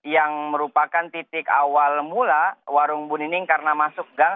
yang merupakan titik awal mula warung bu nining karena masuk gang